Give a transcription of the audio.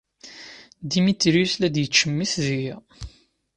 Demetrius la d-yettcemmit deg-i!